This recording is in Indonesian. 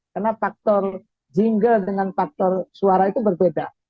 karena faktor jingle dengan faktor suara itu berbeda